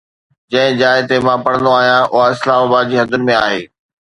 جنهن جاءِ تي مان پڙهندو آهيان، اها اسلام آباد جي حدن ۾ آهي